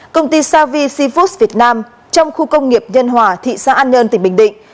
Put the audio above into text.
công ty savi foos việt nam trong khu công nghiệp nhân hòa thị xã an nhơn tỉnh bình định